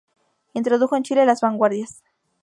Introdujo en Chile las vanguardias.